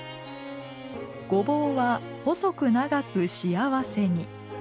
ごぼうは、細く長く幸せに。